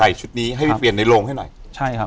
อยู่ที่แม่ศรีวิรัยิลครับ